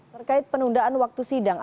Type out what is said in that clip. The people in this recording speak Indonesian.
terkait penundaan waktu sidang